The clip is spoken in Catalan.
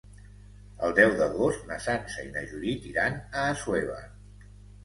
El deu d'agost na Sança i na Judit iran a Assuévar.